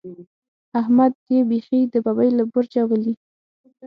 احمد يې بېخي د ببۍ له برجه ولي.